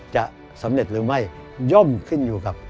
จะสำเร็จหรือไม่ย่อมขึ้นอยู่กับ